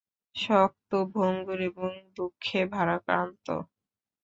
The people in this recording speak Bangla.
শক্ত, ভঙ্গুর এবং দুঃখে ভারাক্রান্ত।